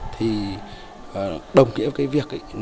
thì đồng nghĩa với việc bảo tàng